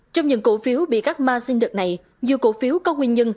trong những cổ phiếu bị các ma sinh đợt này dù cổ phiếu có nguyên nhân